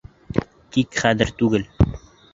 Тик хәҙер түгел.